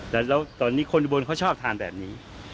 แต่ตอนนี้คนบนเขาชอบทานแบบนี้